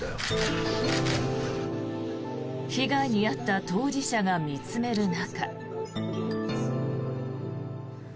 被害に遭った当事者が見つめる中。